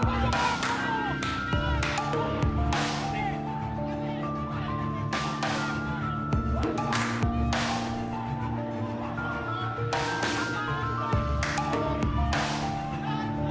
istri saya tidak menyalahkan